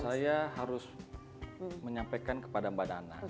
saya harus menyampaikan kepada mbak nana